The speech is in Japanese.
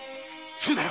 そうだよ。